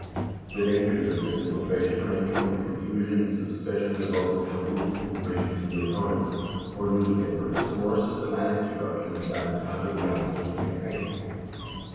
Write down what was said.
The dangers of this infiltration range from the confusion and sus picion resulting from leaked information to the opponents or news papers to more systematic disruption and sabotage of the opposition campaign.